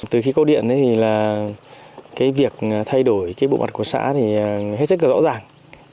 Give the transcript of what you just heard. từ khi có điện thì việc thay đổi bộ mặt của xã thì hết sức rõ ràng